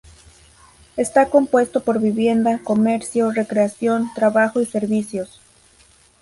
Está compuesto por vivienda, comercio, recreación, trabajo y servicios.